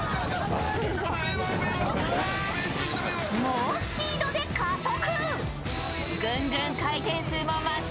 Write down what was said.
猛スピードで加速。